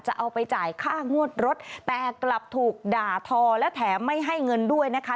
จะเอาไปจ่ายค่างวดรถแต่กลับถูกด่าทอและแถมไม่ให้เงินด้วยนะคะ